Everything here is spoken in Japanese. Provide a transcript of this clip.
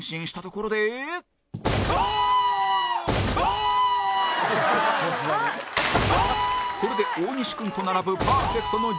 これで大西君と並ぶパーフェクトの１０ビビリ